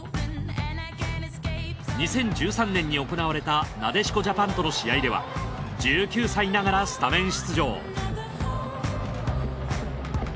２０１３年に行われたなでしこジャパンとの試合では１９歳ながらスタメン出場